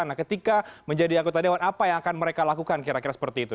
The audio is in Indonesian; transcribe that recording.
nah ketika menjadi anggota dewan apa yang akan mereka lakukan kira kira seperti itu